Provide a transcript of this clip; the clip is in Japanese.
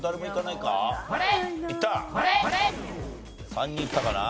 ３人いったかな。